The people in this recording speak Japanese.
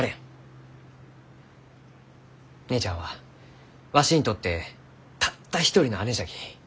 姉ちゃんはわしにとってたった一人の姉じゃき。